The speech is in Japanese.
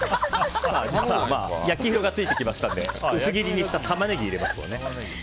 焼き色がついてきましたので薄切りにしたタマネギ入れます。